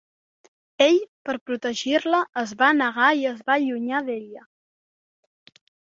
Ell per protegir-la es va negar i es va allunyar d'ella.